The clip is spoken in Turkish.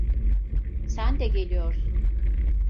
Sen de geliyorsun.